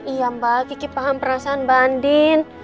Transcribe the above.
iya mbak kiki paham perasaan mbak andin